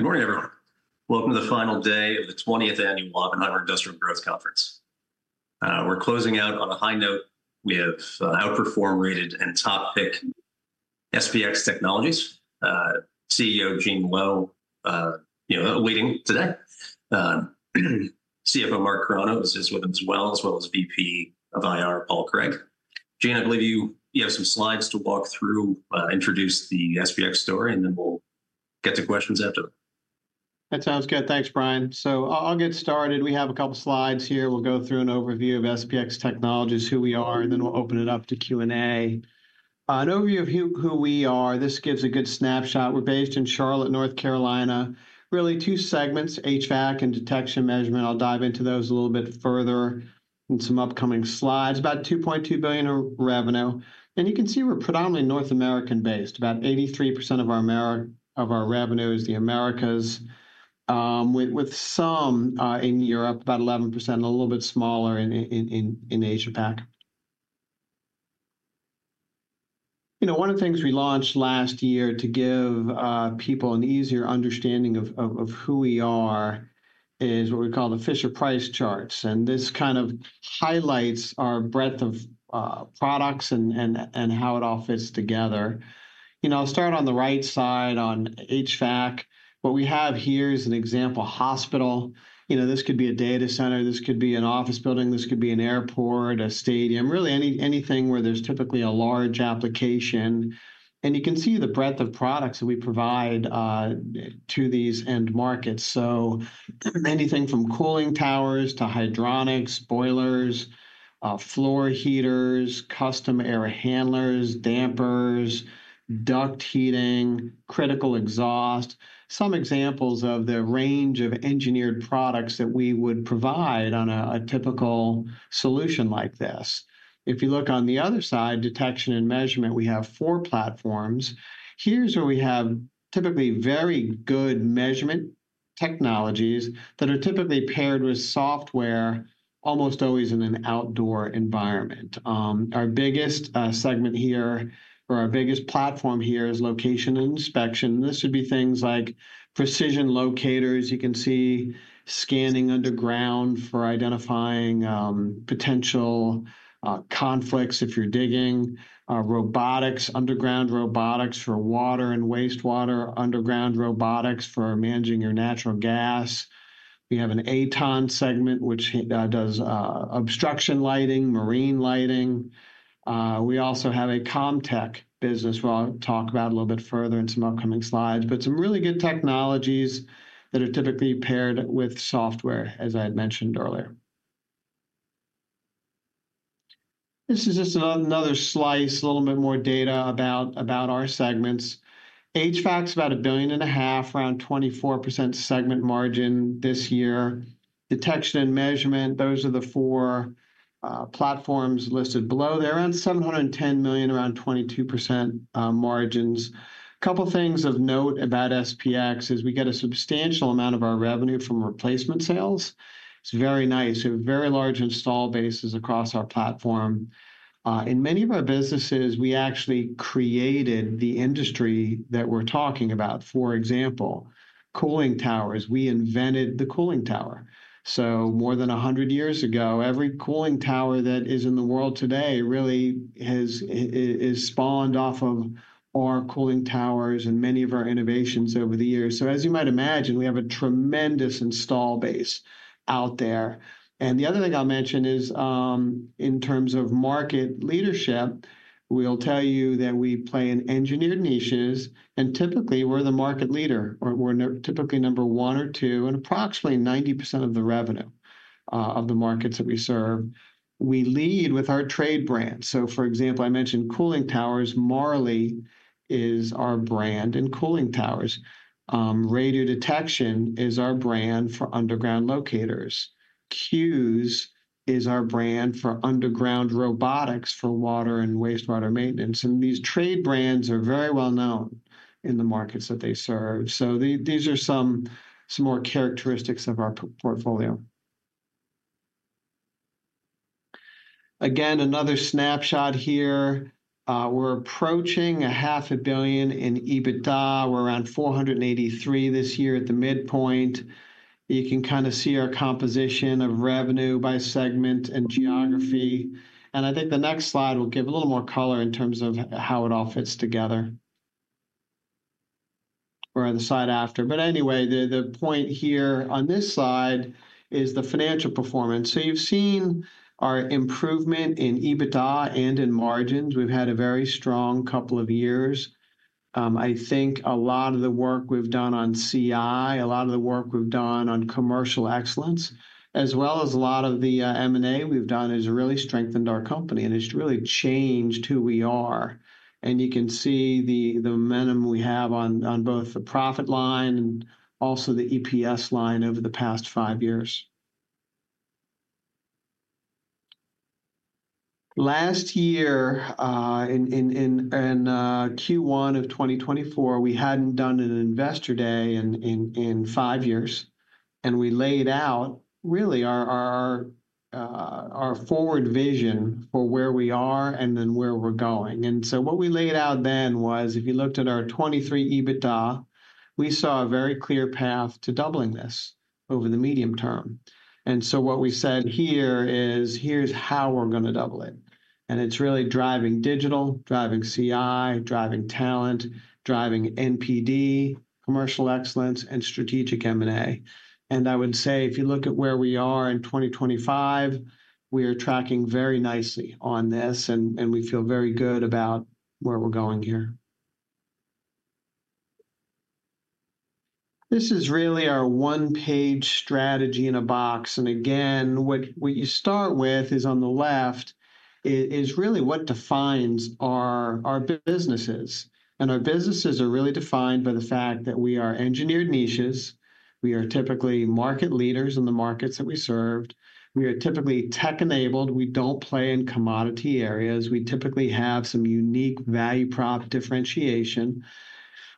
Good morning, everyone. Welcome to the final day of the 20th Annual Oppenheimer Industrial Growth Conference. We're closing out on a high note. We have outperform, rated, and top pick SPX Technologies. CEO Gene Lowe awaiting today. CFO Mark Carano is with us as well, as well as VP of IR Paul Clegg. Gene, I believe you have some slides to walk through, introduce the SPX story, and then we'll get to questions after. That sounds good. Thanks, Bryan. I'll get started. We have a couple of slides here. We'll go through an overview of SPX Technologies, who we are, and then we'll open it up to Q&A. An overview of who we are. This gives a good snapshot. We're based in Charlotte, North Carolina. Really two segments, HVAC and detection measurement. I'll dive into those a little bit further in some upcoming slides. About $2.2 billion of revenue. You can see we're predominantly North American based. About 83% of our revenue is the Americas, with some in Europe, about 11%, a little bit smaller in Asia-Pac. One of the things we launched last year to give people an easier understanding of who we are is what we call the Fisher Price Charts. This kind of highlights our breadth of products and how it all fits together. I'll start on the right side on HVAC. What we have here is an example hospital. This could be a data center. This could be an office building. This could be an airport, a stadium, really anything where there's typically a large application. You can see the breadth of products that we provide to these end markets. Anything from cooling towers to hydronics, boilers, floor heaters, custom air handlers, dampers, duct heating, critical exhaust. Some examples of the range of engineered products that we would provide on a typical solution like this. If you look on the other side, detection and measurement, we have four platforms. Here's where we have typically very good measurement technologies that are typically paired with software almost always in an outdoor environment. Our biggest segment here or our biggest platform here is location and inspection. This would be things like precision locators. You can see scanning underground for identifying potential conflicts if you're digging, robotics, underground robotics for water and wastewater, underground robotics for managing your natural gas. We have an AtoN segment, which does obstruction lighting, marine lighting. We also have a CommTech business, which I'll talk about a little bit further in some upcoming slides, but some really good technologies that are typically paired with software, as I had mentioned earlier. This is just another slice, a little bit more data about our segments. HVAC's about $1.5 billion, around 24% segment margin this year. Detection and measurement, those are the four platforms listed below there. Around $710 million, around 22% margins. A couple of things of note about SPX is we get a substantial amount of our revenue from replacement sales. It's very nice. We have very large install bases across our platform. In many of our businesses, we actually created the industry that we're talking about. For example, cooling towers. We invented the cooling tower. More than 100 years ago, every cooling tower that is in the world today really has spawned off of our cooling towers and many of our innovations over the years. As you might imagine, we have a tremendous install base out there. The other thing I'll mention is in terms of market leadership, we'll tell you that we play in engineered niches. Typically, we're the market leader. We're typically number one or two in approximately 90% of the revenue of the markets that we serve. We lead with our trade brands. For example, I mentioned cooling towers. Marley is our brand in cooling towers. Radiodetection is our brand for underground locators. Q's is our brand for underground robotics for water and wastewater maintenance. And these trade brands are very well known in the markets that they serve. So these are some more characteristics of our portfolio. Again, another snapshot here. We're approaching $500,000,000 in EBITDA. We're around $483,000,000 this year at the midpoint. You can kind of see our composition of revenue by segment and geography. I think the next slide will give a little more color in terms of how it all fits together. Or the slide after. Anyway, the point here on this slide is the financial performance. You've seen our improvement in EBITDA and in margins. We've had a very strong couple of years. I think a lot of the work we've done on CI, a lot of the work we've done on commercial excellence, as well as a lot of the M&A we've done has really strengthened our company and has really changed who we are. You can see the momentum we have on both the profit line and also the EPS line over the past five years. Last year in Q1 of 2024, we hadn't done an Investor Day in five years. We laid out really our forward vision for where we are and then where we're going. What we laid out then was if you looked at our 2023 EBITDA, we saw a very clear path to doubling this over the medium term. What we said here is here's how we're going to double it. It is really driving digital, driving CI, driving talent, driving NPD, commercial excellence, and strategic M&A. I would say if you look at where we are in 2025, we are tracking very nicely on this, and we feel very good about where we are going here. This is really our one-page strategy in a box. What you start with is on the left is really what defines our businesses. Our businesses are really defined by the fact that we are engineered niches. We are typically market leaders in the markets that we serve. We are typically tech-enabled. We do not play in commodity areas. We typically have some unique value prop differentiation.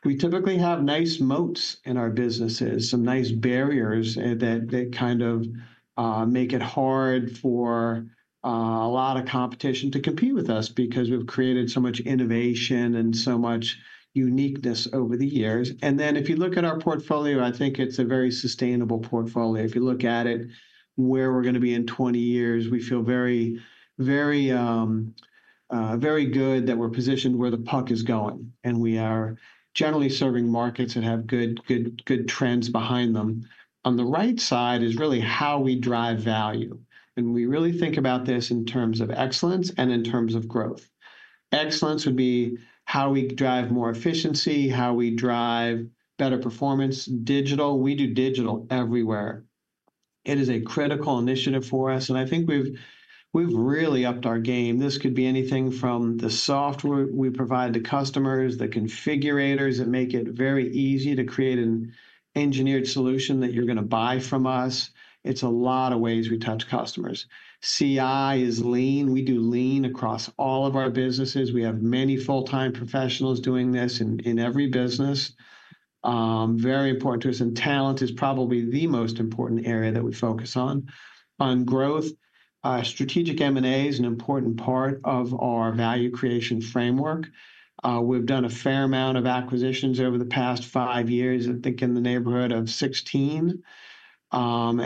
We typically have nice moats in our businesses, some nice barriers that kind of make it hard for a lot of competition to compete with us because we've created so much innovation and so much uniqueness over the years. If you look at our portfolio, I think it's a very sustainable portfolio. If you look at it, where we're going to be in 20 years, we feel very good that we're positioned where the puck is going. We are generally serving markets that have good trends behind them. On the right side is really how we drive value. We really think about this in terms of excellence and in terms of growth. Excellence would be how we drive more efficiency, how we drive better performance. Digital, we do digital everywhere. It is a critical initiative for us. I think we've really upped our game. This could be anything from the software we provide to customers, the configurators that make it very easy to create an engineered solution that you're going to buy from us. It's a lot of ways we touch customers. CI is lean. We do lean across all of our businesses. We have many full-time professionals doing this in every business. Very important to us. Talent is probably the most important area that we focus on. On growth, strategic M&A is an important part of our value creation framework. We've done a fair amount of acquisitions over the past five years, I think in the neighborhood of 16.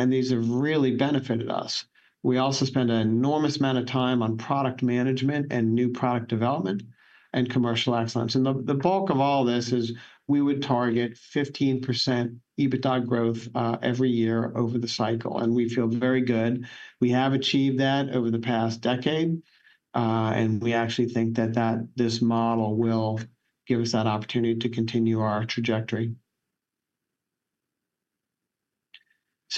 These have really benefited us. We also spend an enormous amount of time on product management and new product development and commercial excellence. The bulk of all this is we would target 15% EBITDA growth every year over the cycle. We feel very good. We have achieved that over the past decade. We actually think that this model will give us that opportunity to continue our trajectory.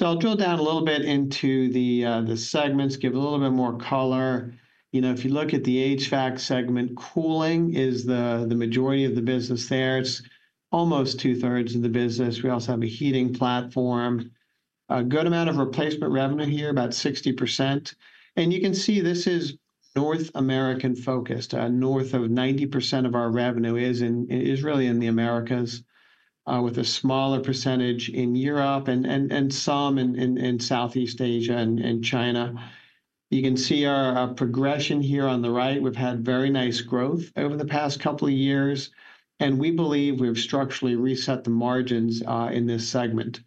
I'll drill down a little bit into the segments, give a little bit more color. If you look at the HVAC segment, cooling is the majority of the business there. It's almost two-thirds of the business. We also have a heating platform. A good amount of replacement revenue here, about 60%. You can see this is North American focused. North of 90% of our revenue is really in the Americas, with a smaller percentage in Europe and some in Southeast Asia and China. You can see our progression here on the right. We've had very nice growth over the past couple of years. We believe we've structurally reset the margins in this segment.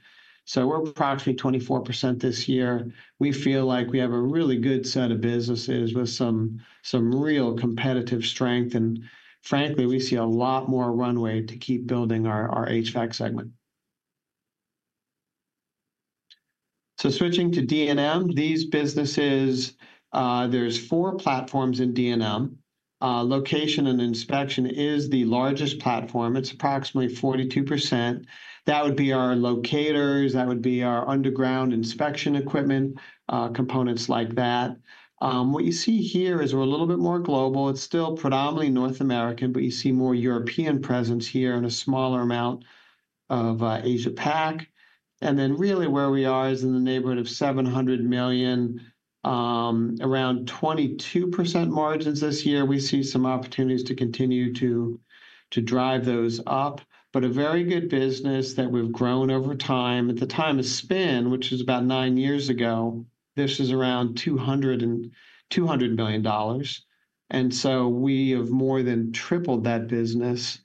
We're approximately 24% this year. We feel like we have a really good set of businesses with some real competitive strength. Frankly, we see a lot more runway to keep building our HVAC segment. Switching to D&M, these businesses, there's four platforms in D&M. Location and inspection is the largest platform. It's approximately 42%. That would be our locators. That would be our underground inspection equipment, components like that. What you see here is we're a little bit more global. It's still predominantly North American, but you see more European presence here and a smaller amount of Asia-Pac. Really where we are is in the neighborhood of $700 million. Around 22% margins this year. We see some opportunities to continue to drive those up. A very good business that we've grown over time. At the time of spin, which was about nine years ago, this was around $200 million. We have more than tripled that business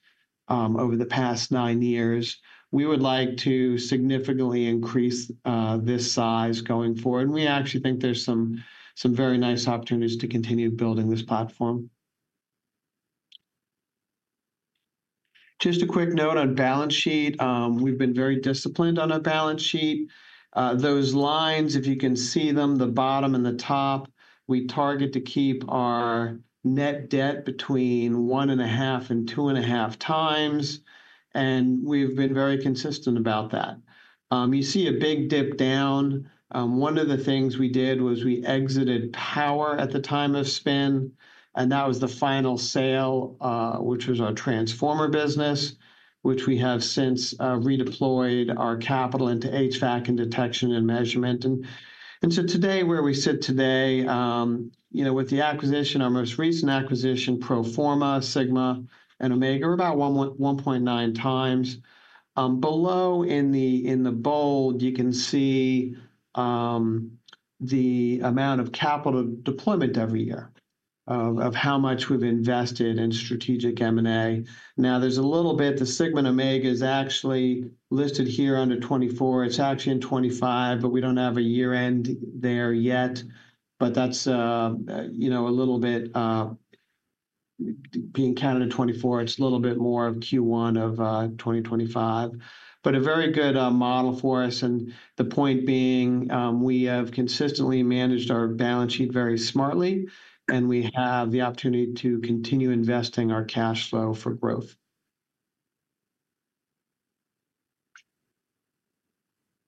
over the past nine years. We would like to significantly increase this size going forward. We actually think there are some very nice opportunities to continue building this platform. Just a quick note on balance sheet. We have been very disciplined on our balance sheet. Those lines, if you can see them, the bottom and the top, we target to keep our net debt between one and a half and two and a half times. We have been very consistent about that. You see a big dip down. One of the things we did was we exited power at the time of spin. That was the final sale, which was our transformer business, which we have since redeployed our capital into HVAC and detection and measurement. Today, where we sit today, with the acquisition, our most recent acquisition, pro forma, Sigma & Omega, we are about 1.9 times. Below in the bold, you can see the amount of capital deployment every year of how much we have invested in strategic M&A. Now, there is a little bit, the Sigma & Omega is actually listed here under 2024. It is actually in 2025, but we do not have a year-end there yet. That is a little bit being counted in 2024. It is a little bit more of Q1 of 2025. A very good model for us. The point being, we have consistently managed our balance sheet very smartly. We have the opportunity to continue investing our cash flow for growth.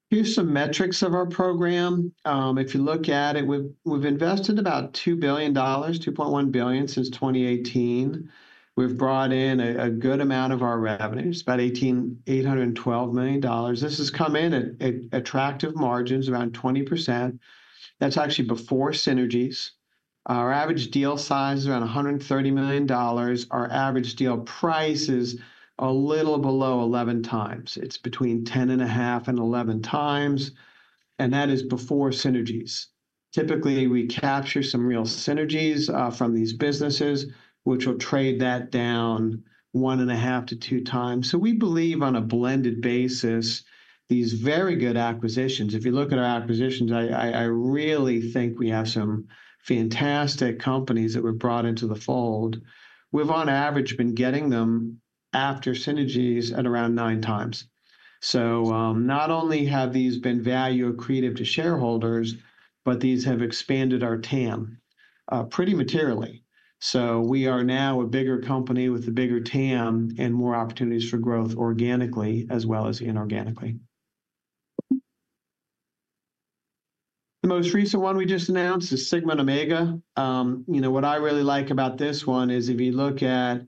Here's some metrics of our program. If you look at it, we've invested about $2 billion, $2.1 billion since 2018. We've brought in a good amount of our revenues, about $812 million. This has come in at attractive margins, around 20%. That's actually before synergies. Our average deal size is around $130 million. Our average deal price is a little below 11x. It's between 10.5 and 11x. That is before synergies. Typically, we capture some real synergies from these businesses, which will trade that down 1.5-2x. We believe on a blended basis, these very good acquisitions, if you look at our acquisitions, I really think we have some fantastic companies that were brought into the fold. We've on average been getting them after synergies at around nine times. Not only have these been value accretive to shareholders, but these have expanded our TAM pretty materially. We are now a bigger company with a bigger TAM and more opportunities for growth organically as well as inorganically. The most recent one we just announced is Sigma & Omega. What I really like about this one is if you look at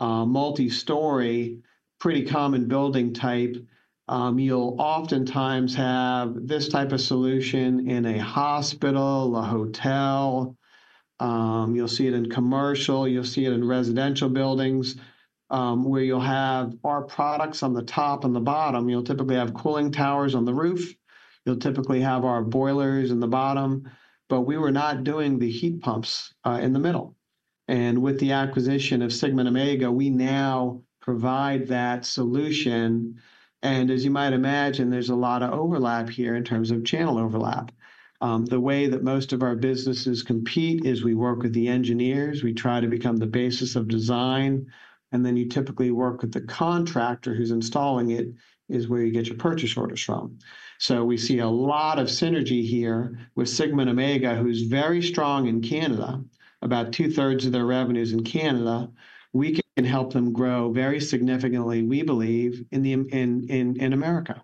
multi-story, pretty common building type, you'll oftentimes have this type of solution in a hospital, a hotel. You'll see it in commercial. You'll see it in residential buildings where you'll have our products on the top and the bottom. You'll typically have cooling towers on the roof. You'll typically have our boilers in the bottom. We were not doing the heat pumps in the middle. With the acquisition of Sigma & Omega, we now provide that solution. As you might imagine, there's a lot of overlap here in terms of channel overlap. The way that most of our businesses compete is we work with the engineers. We try to become the basis of design. You typically work with the contractor who's installing it, which is where you get your purchase orders from. We see a lot of synergy here with Sigma & Omega, who's very strong in Canada, about two-thirds of their revenues in Canada. We can help them grow very significantly, we believe, in America.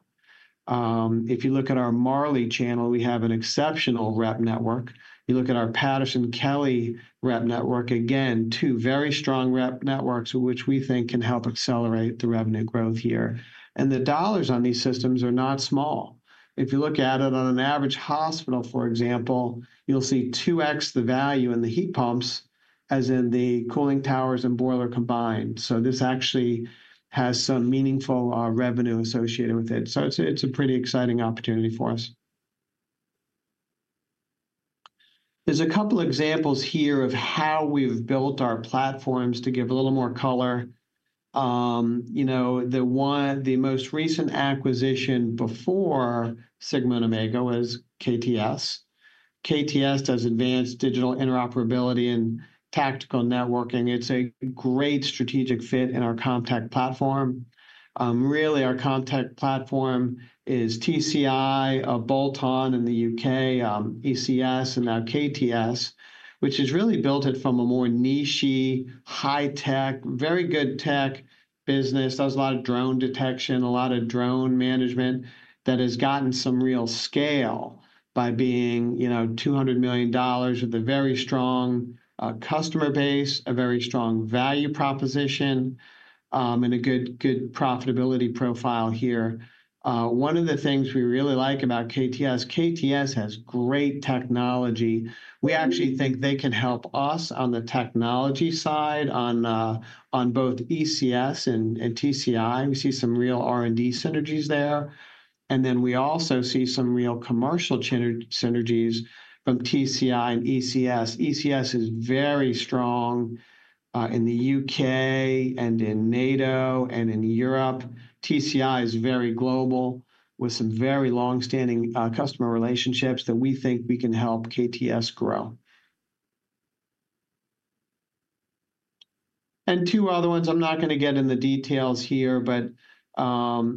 If you look at our Marley channel, we have an exceptional rep network. You look at our Patterson-Kelley rep network, again, two very strong rep networks which we think can help accelerate the revenue growth here. The dollars on these systems are not small. If you look at it on an average hospital, for example, you'll see 2x the value in the heat pumps as in the cooling towers and boiler combined. This actually has some meaningful revenue associated with it. It is a pretty exciting opportunity for us. There are a couple of examples here of how we've built our platforms to give a little more color. The most recent acquisition before Sigma and Omega was KTS. KTS does advanced digital interoperability and tactical networking. It is a great strategic fit in our CommTech platform. Really, our CommTech platform is TCI, a bolt-on in the U.K., ECS, and now KTS, which has really built it from a more nichy, high-tech, very good tech business. There's a lot of drone detection, a lot of drone management that has gotten some real scale by being $200 million with a very strong customer base, a very strong value proposition, and a good profitability profile here. One of the things we really like about KTS, KTS has great technology. We actually think they can help us on the technology side on both ECS and TCI. We see some real R&D synergies there. We also see some real commercial synergies from TCI and ECS. ECS is very strong in the U.K. and in NATO and in Europe. TCI is very global with some very long-standing customer relationships that we think we can help KTS grow. Two other ones, I'm not going to get in the details here, but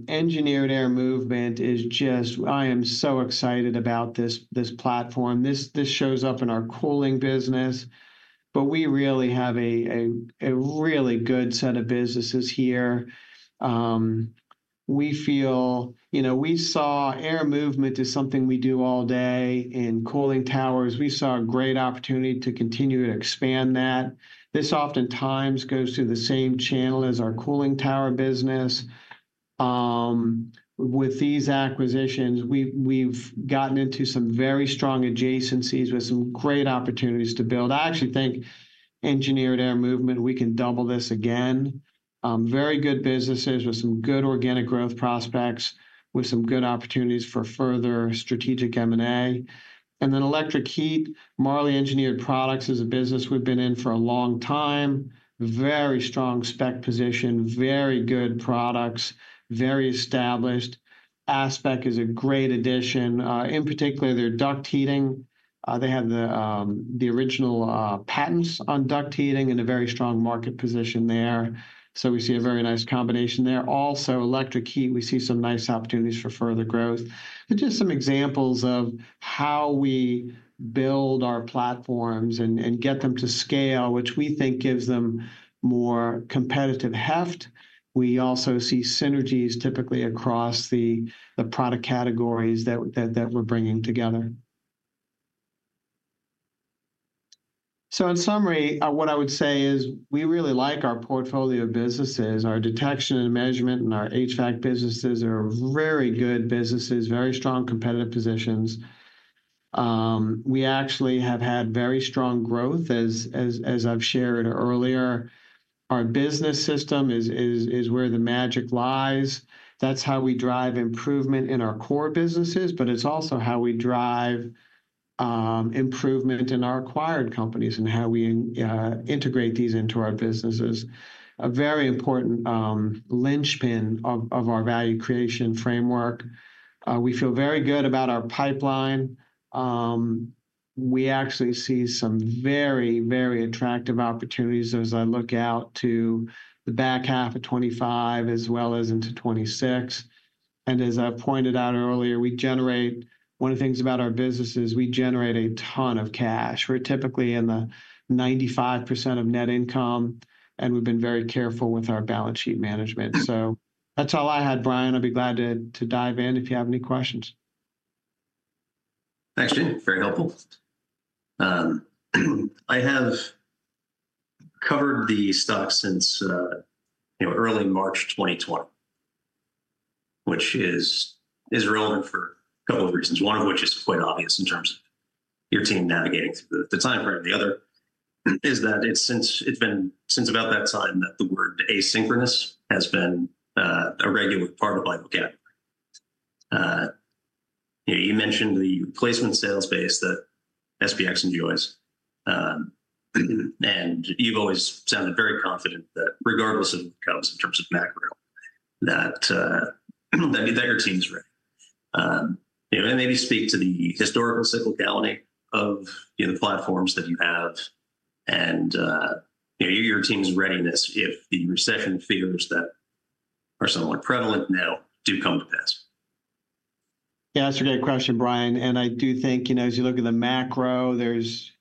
engineered air movement is just, I am so excited about this platform. This shows up in our cooling business. We really have a really good set of businesses here. We feel we saw air movement is something we do all day in cooling towers. We saw a great opportunity to continue to expand that. This oftentimes goes through the same channel as our cooling tower business. With these acquisitions, we've gotten into some very strong adjacencies with some great opportunities to build. I actually think engineered air movement, we can double this again. Very good businesses with some good organic growth prospects, with some good opportunities for further strategic M&A. Electric heat, Marley Engineered Products is a business we've been in for a long time. Very strong spec position, very good products, very established. ASPEQ is a great addition. In particular, their duct heating. They have the original patents on duct heating and a very strong market position there. We see a very nice combination there. Also, electric heat, we see some nice opportunities for further growth. Just some examples of how we build our platforms and get them to scale, which we think gives them more competitive heft. We also see synergies typically across the product categories that we are bringing together. In summary, what I would say is we really like our portfolio of businesses. Our detection and measurement and our HVAC businesses are very good businesses, very strong competitive positions. We actually have had very strong growth, as I have shared earlier. Our business system is where the magic lies. That is how we drive improvement in our core businesses, but it is also how we drive improvement in our acquired companies and how we integrate these into our businesses. A very important linchpin of our value creation framework. We feel very good about our pipeline. We actually see some very, very attractive opportunities as I look out to the back half of 2025 as well as into 2026. As I pointed out earlier, one of the things about our business is we generate a ton of cash. We're typically in the 95% of net income, and we've been very careful with our balance sheet management. That's all I had, Bryan. I'll be glad to dive in if you have any questions. Thanks, Gene. Very helpful. I have covered the stock since early March 2020, which is relevant for a couple of reasons, one of which is quite obvious in terms of your team navigating through the timeframe. The other is that it's been since about that time that the word asynchronous has been a regular part of my vocabulary. You mentioned the replacement sales base that SPX enjoys. You have always sounded very confident that regardless of what comes in terms of macro, that your team is ready. Maybe speak to the historical cyclicality of the platforms that you have and your team's readiness if the recession fears that are somewhat prevalent now do come to pass. Yeah, that's a great question, Bryan. I do think as you look at the macro, there's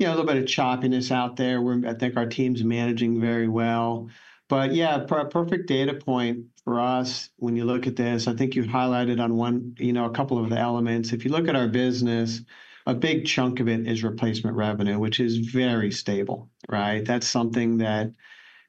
a little bit of choppiness out there where I think our team's managing very well. Yeah, perfect data point for us when you look at this. I think you highlighted on a couple of the elements. If you look at our business, a big chunk of it is replacement revenue, which is very stable. That's something that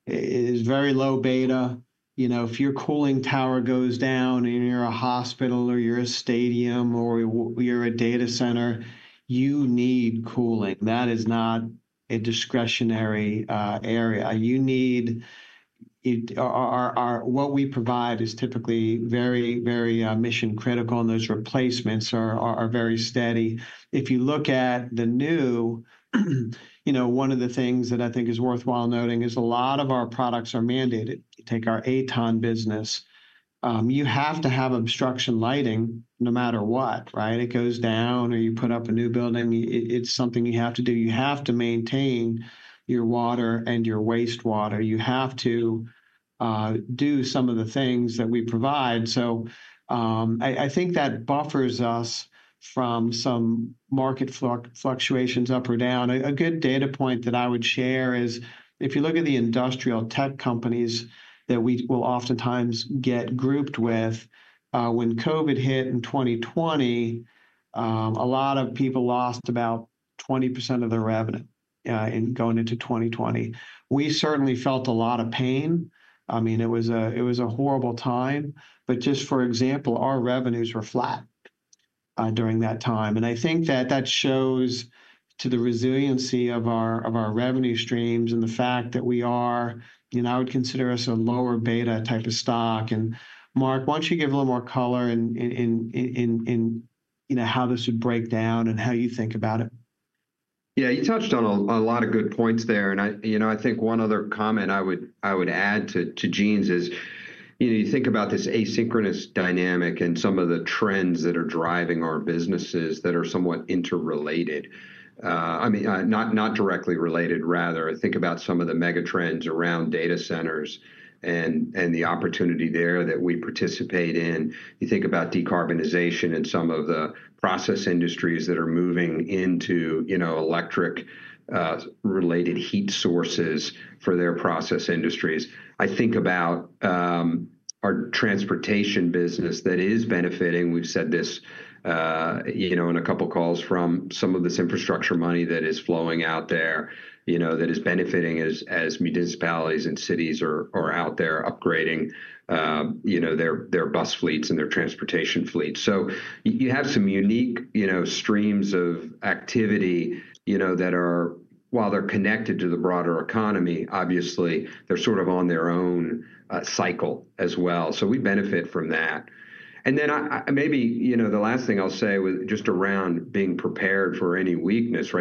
is very low beta. If your cooling tower goes down and you're a hospital or you're a stadium or you're a data center, you need cooling. That is not a discretionary area. What we provide is typically very, very mission-critical, and those replacements are very steady. If you look at the new, one of the things that I think is worthwhile noting is a lot of our products are mandated. Take our AtoN business. You have to have obstruction lighting no matter what. It goes down or you put up a new building. It's something you have to do. You have to maintain your water and your wastewater. You have to do some of the things that we provide. I think that buffers us from some market fluctuations up or down. A good data point that I would share is if you look at the industrial tech companies that we will oftentimes get grouped with, when COVID hit in 2020, a lot of people lost about 20% of their revenue in going into 2020. We certainly felt a lot of pain. I mean, it was a horrible time. Just for example, our revenues were flat during that time. I think that that shows to the resiliency of our revenue streams and the fact that we are, I would consider us a lower beta type of stock. Mark, why don't you give a little more color in how this would break down and how you think about it? Yeah, you touched on a lot of good points there. I think one other comment I would add to Gene's is you think about this asynchronous dynamic and some of the trends that are driving our businesses that are somewhat interrelated. I mean, not directly related, rather. Think about some of the mega trends around data centers and the opportunity there that we participate in. You think about decarbonization and some of the process industries that are moving into electric-related heat sources for their process industries. I think about our transportation business that is benefiting. We've said this in a couple of calls from some of this infrastructure money that is flowing out there that is benefiting as municipalities and cities are out there upgrading their bus fleets and their transportation fleets. You have some unique streams of activity that are, while they're connected to the broader economy, obviously, they're sort of on their own cycle as well. We benefit from that. Maybe the last thing I'll say just around being prepared for any weakness,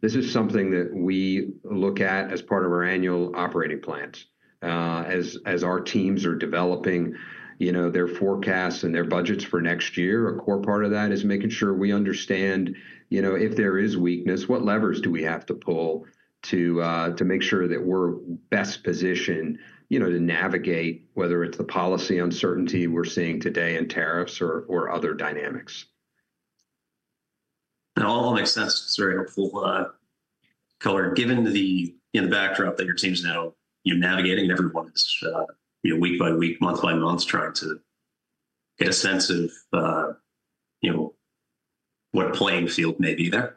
this is something that we look at as part of our annual operating plans. As our teams are developing their forecasts and their budgets for next year, a core part of that is making sure we understand if there is weakness, what levers do we have to pull to make sure that we're best positioned to navigate whether it's the policy uncertainty we're seeing today in tariffs or other dynamics. That all makes sense. It's very helpful color. Given the backdrop that your team's now navigating, everyone is week by week, month by month, trying to get a sense of what playing field may be there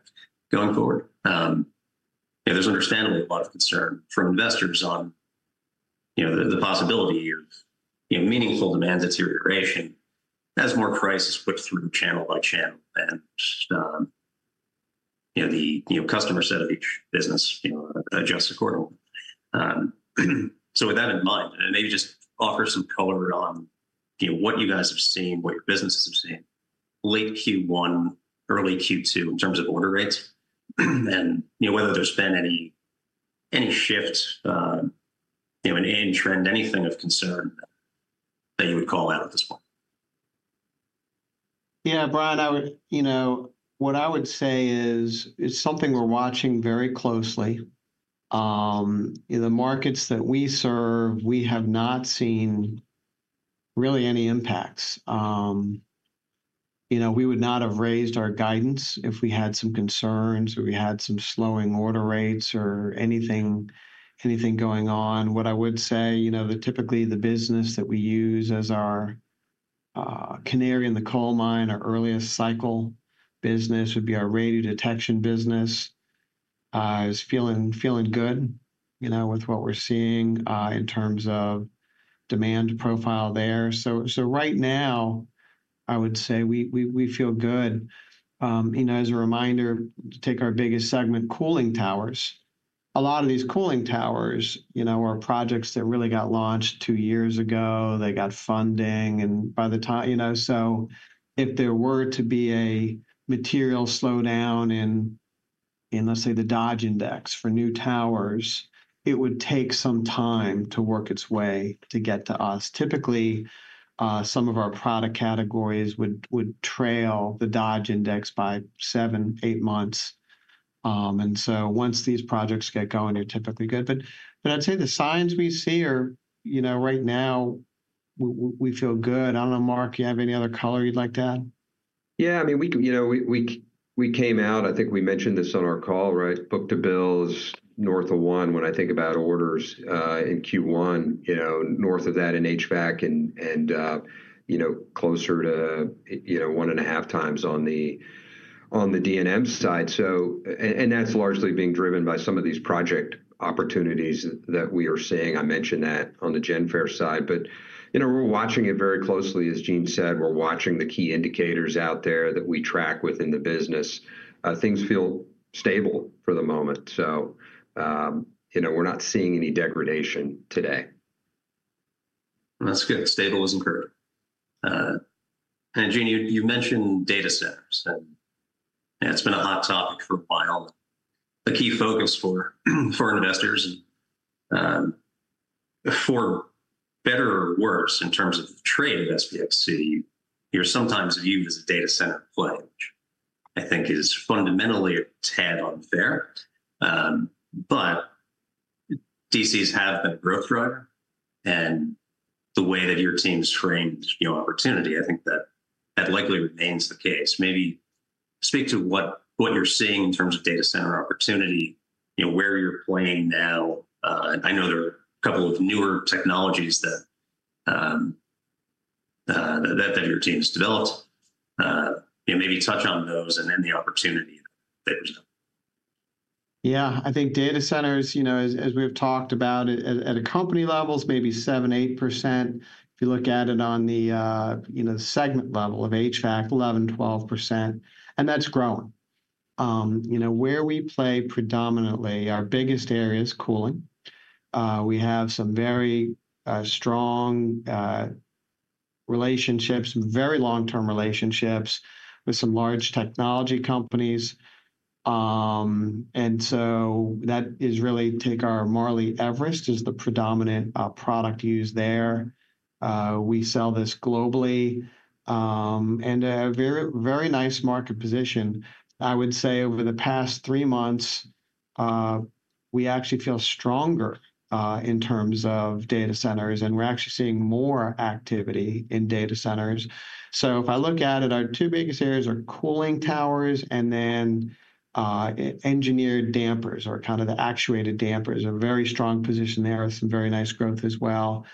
going forward. There's understandably a lot of concern from investors on the possibility of meaningful demand deterioration as more prices push through channel by channel and the customer set of each business adjusts accordingly. With that in mind, maybe just offer some color on what you guys have seen, what your businesses have seen late Q1, early Q2 in terms of order rates, and whether there's been any shift, an end trend, anything of concern that you would call out at this point. Yeah, Bryan, what I would say is it's something we're watching very closely. In the markets that we serve, we have not seen really any impacts. We would not have raised our guidance if we had some concerns or we had some slowing order rates or anything going on. What I would say, typically the business that we use as our canary in the coal mine, our earliest cycle business would be our Radiodetection business. It's feeling good with what we're seeing in terms of demand profile there. Right now, I would say we feel good. As a reminder, take our biggest segment, cooling towers. A lot of these cooling towers are projects that really got launched two years ago. They got funding. If there were to be a material slowdown in, let's say, the Dodge Index for new towers, it would take some time to work its way to get to us. Typically, some of our product categories would trail the Dodge Index by seven, eight months. Once these projects get going, they're typically good. I'd say the signs we see are right now, we feel good. I don't know, Mark, you have any other color you'd like to add? Yeah, I mean, we came out, I think we mentioned this on our call, right? Book to bills, north of one when I think about orders in Q1, north of that in HVAC and closer to one and a half times on the D&M side. And that's largely being driven by some of these project opportunities that we are seeing. I mentioned that on the GenFair side. We are watching it very closely, as Gene said. We are watching the key indicators out there that we track within the business. Things feel stable for the moment. We are not seeing any degradation today. That's good. Stable is incredible. Gene, you mentioned data centers. It has been a hot topic for a while. A key focus for investors. For better or worse in terms of the trade of SPXC, you're sometimes viewed as a data center player, which I think is fundamentally a tad unfair. DC's have been a growth driver. The way that your team's framed opportunity, I think that likely remains the case. Maybe speak to what you're seeing in terms of data center opportunity, where you're playing now. I know there are a couple of newer technologies that your team has developed. Maybe touch on those and then the opportunity that there's now. Yeah, I think data centers, as we've talked about at a company level, it's maybe 7%-8%. If you look at it on the segment level of HVAC, 11%-12%. That is growing. Where we play predominantly, our biggest area is cooling. We have some very strong relationships, very long-term relationships with some large technology companies. That is really take our Marley Everest is the predominant product used there. We sell this globally. And a very nice market position. I would say over the past three months, we actually feel stronger in terms of data centers. We are actually seeing more activity in data centers. If I look at it, our two biggest areas are cooling towers and then engineered dampers or kind of the actuated dampers. A very strong position there. Some very nice growth as well.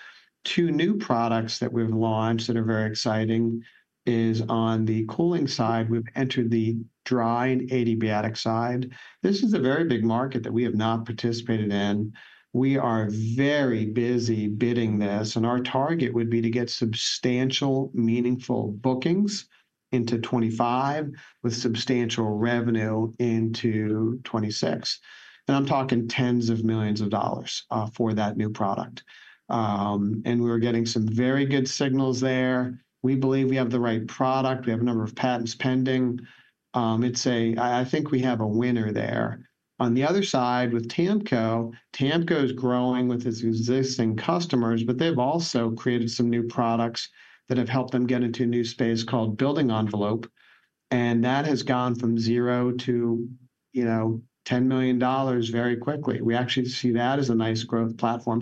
Two new products that we have launched that are very exciting is on the cooling side. We have entered the dry and adiabatic side. This is a very big market that we have not participated in. We are very busy bidding this. Our target would be to get substantial, meaningful bookings into 2025 with substantial revenue into 2026. I'm talking tens of millions of dollars for that new product. We're getting some very good signals there. We believe we have the right product. We have a number of patents pending. I think we have a winner there. On the other side with TAMCO, TAMCO is growing with its existing customers, but they've also created some new products that have helped them get into a new space called building envelope. That has gone from zero to $10 million very quickly. We actually see that as a nice growth platform.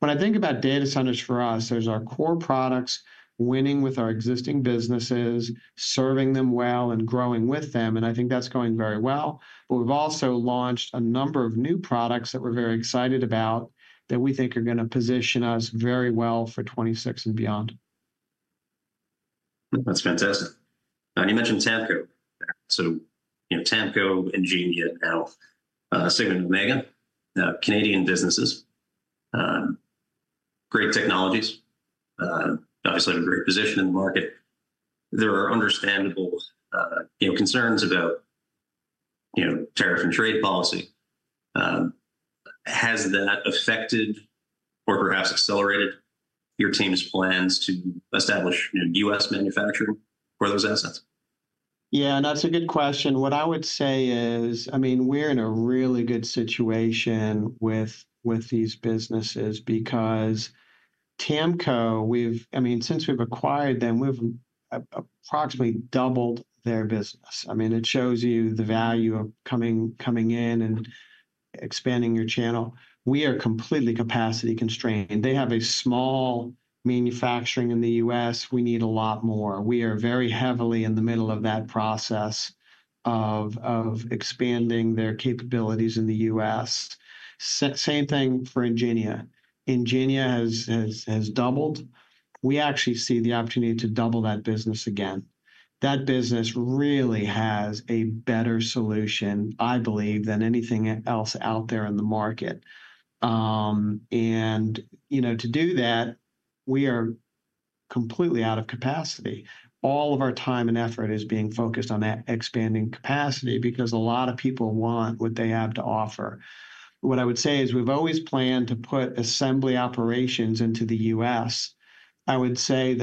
When I think about data centers for us, there are our core products winning with our existing businesses, serving them well and growing with them. I think that's going very well. But we've also launched a number of new products that we're very excited about that we think are going to position us very well for 2026 and beyond. That's fantastic. You mentioned TAMCO. So TAMCO and, you know, now Sigma & Omega, Canadian businesses, great technologies, obviously in a great position in the market. There are understandable concerns about tariff and trade policy. Has that affected or perhaps accelerated your team's plans to establish U.S. manufacturing for those assets? Yeah, and that's a good question. What I would say is, I mean, we're in a really good situation with these businesses because TAMCO, I mean, since we've acquired them, we've approximately doubled their business. I mean, it shows you the value of coming in and expanding your channel. We are completely capacity constrained. They have a small manufacturing in the U.S. We need a lot more. We are very heavily in the middle of that process of expanding their capabilities in the U.S. Same thing for Ingénia . Ingénia has doubled. We actually see the opportunity to double that business again. That business really has a better solution, I believe, than anything else out there in the market. To do that, we are completely out of capacity. All of our time and effort is being focused on that expanding capacity because a lot of people want what they have to offer. What I would say is we've always planned to put assembly operations into the U.S. I would say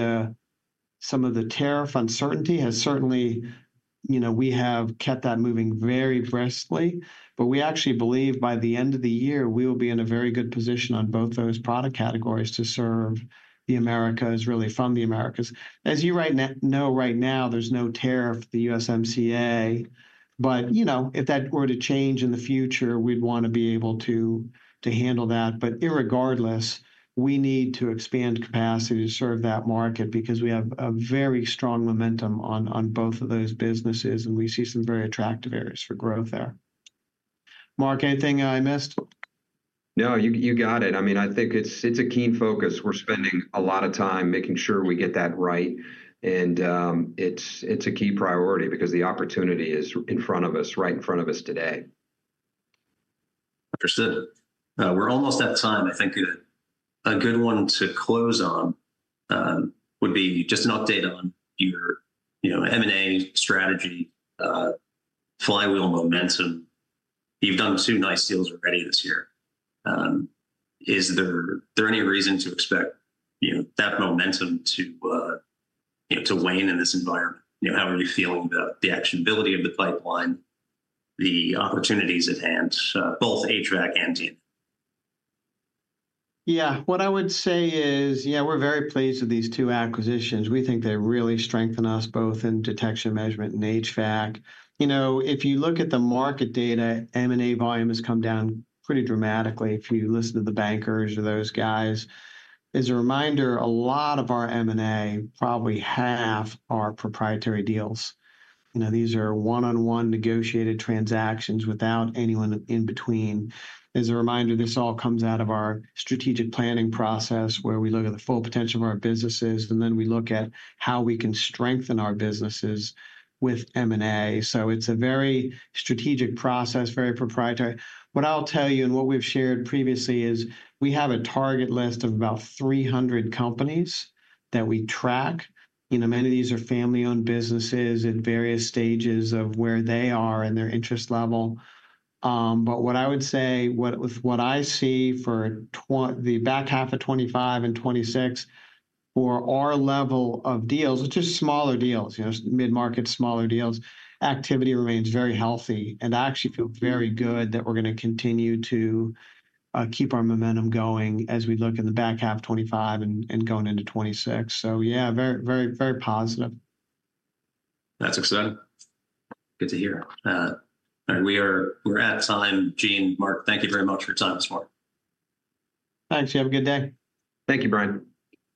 some of the tariff uncertainty has certainly kept that moving very briskly. We actually believe by the end of the year, we will be in a very good position on both those product categories to serve the Americas, really from the Americas. As you know right now, there's no tariff, the USMCA. If that were to change in the future, we'd want to be able to handle that. Irregardless, we need to expand capacity to serve that market because we have very strong momentum on both of those businesses. We see some very attractive areas for growth there. Mark, anything I missed? No, you got it. I mean, I think it's a keen focus. We're spending a lot of time making sure we get that right. It's a key priority because the opportunity is in front of us, right in front of us today. Understood. We're almost at time. I think a good one to close on would be just an update on your M&A strategy, flywheel momentum. You've done two nice deals already this year. Is there any reason to expect that momentum to wane in this environment? How are you feeling about the actionability of the pipeline, the opportunities at hand, both HVAC and Gene? Yeah, what I would say is, yeah, we're very pleased with these two acquisitions. We think they really strengthen us both in detection measurement and HVAC. If you look at the market data, M&A volume has come down pretty dramatically. If you listen to the bankers or those guys, as a reminder, a lot of our M&A, probably half are proprietary deals. These are one-on-one negotiated transactions without anyone in between. As a reminder, this all comes out of our strategic planning process where we look at the full potential of our businesses, and then we look at how we can strengthen our businesses with M&A. It is a very strategic process, very proprietary. What I'll tell you and what we've shared previously is we have a target list of about 300 companies that we track. Many of these are family-owned businesses at various stages of where they are and their interest level. What I would say, what I see for the back half of 2025 and 2026, for our level of deals, which are smaller deals, mid-market, smaller deals, activity remains very healthy. I actually feel very good that we're going to continue to keep our momentum going as we look in the back half of 2025 and going into 2026. Yeah, very, very positive. That's exciting. Good to hear. We're at time. Gene, Mark, thank you very much for your time this morning. Thanks. You have a good day. Thank you, Bryan.